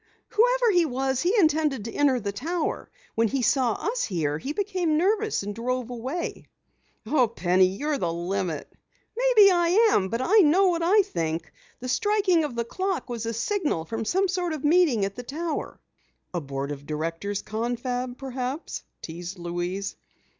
"Whoever he was, he intended to enter the tower! When he saw us here, he became nervous and drove away!" "Oh, Penny, you're the limit." "Maybe I am, but I know what I think. The striking of the clock was a signal for some sort of meeting at the tower!" "A board of directors confab perhaps?" teased Louise.